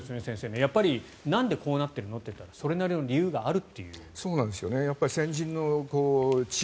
やっぱりなんでこうなってるのというとそれなりの理由があると。